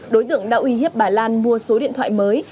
đối tượng đã uy hiếp bà lan mua số điện thoại mới